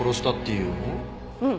うん。